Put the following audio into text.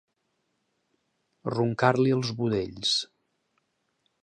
Roncar-li els budells.